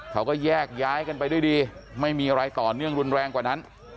เขาก็แยกย้ายกันไปด้วยดีไม่มีอะไรต่อเนื่องรุนแรงกว่านั้น